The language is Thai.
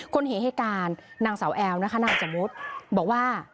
คนเหตุการณ์นางเสาแอวนะคะนางอาจมุตรบอกว่า